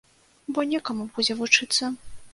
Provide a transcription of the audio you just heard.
Бо некаму будзе вучыцца.